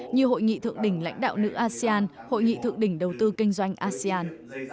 như hội nghị thượng đỉnh lãnh đạo nữ asean hội nghị thượng đỉnh đầu tư kinh doanh asean